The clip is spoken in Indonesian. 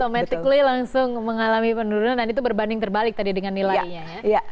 aumetrically langsung mengalami penurunan dan itu berbanding terbalik tadi dengan nilainya ya